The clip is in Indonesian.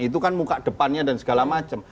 itu kan muka depannya dan segala macam